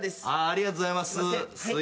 ありがとうございます。